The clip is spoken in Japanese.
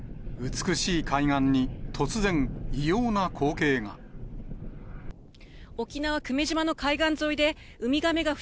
美しい海岸に、突然、異様な光景が。